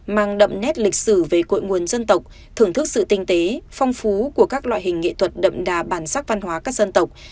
mang đậm nét lịch sử về cội nguồn dân tộc thưởng thức sự tinh tế phong phú của các loại hình nghệ thuật đậm đà bản sắc văn hóa các dân tộc